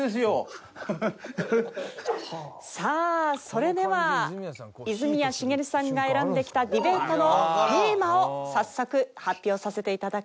それでは泉谷しげるさんが選んできたディベートのテーマを早速発表させて頂きます。